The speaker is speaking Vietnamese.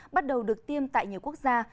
bắt đầu được tiêm tại nhiều quốc gia